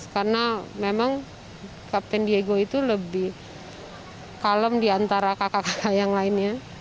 karena memang kapten diego itu lebih kalem di antara kakak kakak yang lain